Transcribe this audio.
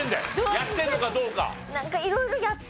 やってるのかどうか。